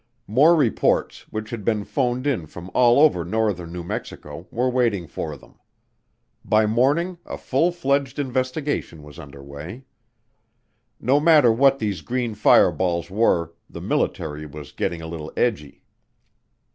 More reports, which had been phoned in from all over northern New Mexico, were waiting for them. By morning a full fledged investigation was under way. No matter what these green fireballs were, the military was getting a little edgy.